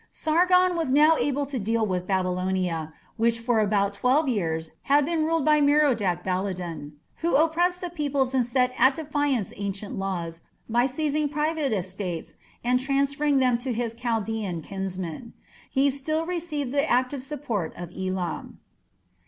Sargon was now able to deal with Babylonia, which for about twelve years had been ruled by Merodach Baladan, who oppressed the people and set at defiance ancient laws by seizing private estates and transferring them to his Chaldaean kinsmen. He still received the active support of Elam.